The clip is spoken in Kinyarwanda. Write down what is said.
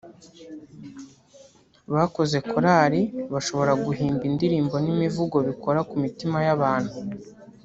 bakoze korari bashobora guhimba indirimbo n’imivugo bikora ku mitima y’abantu